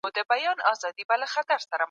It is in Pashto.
خپګان د معافیت سیستم کمزوری کوي.